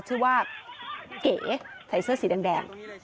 ชื่อว่าเก๋ใส่เสื้อสีแดง